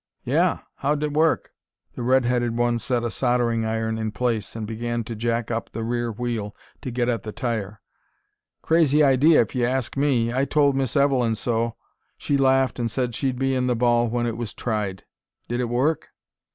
"Yeah. How'd it work?" The red headed one set a soldering iron in place and began to jack up the rear wheel to get at the tire. "Crazy idea, if you ask me. I told Miss Evelyn so. She laughed and said she'd be in the ball when it was tried. Did it work?"